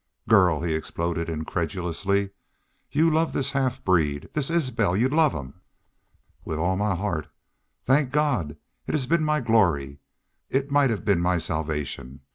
"Girl!" he exploded, incredulously. "Y'u love this half breed this ISBEL! ... Y'u LOVE him!" "With all my heart! ... Thank God! It has been my glory.... It might have been my salvation....